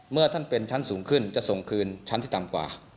เมื่อท่านเป็นชั้นสูงขึ้นจะส่งคืนชั้นที่ต่ำกว่า